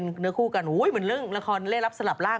โอลี่คัมรี่ยากที่ใครจะตามทันโอลี่คัมรี่ยากที่ใครจะตามทัน